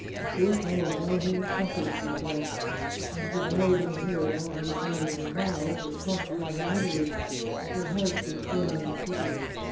" Poor fellow, how he has suffered !" she thought. And she bowed her head, not on account of her vow, but crushed by her misery. Her heart was swelling with pity.